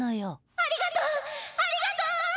ありがとうありがとう！